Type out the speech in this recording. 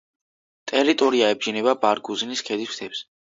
ტერიტორია ებჯინება ბარგუზინის ქედის მთებს.